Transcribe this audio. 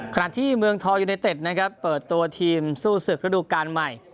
ขณะที่เมืองทองยูเนเต็ดนะครับเปิดตัวทีมสู้ศึกระดูกาลใหม่